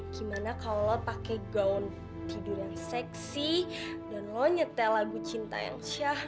gimana kalo lo pake gaun tidur yang seksi dan lo nyetel lagu cinta yang syah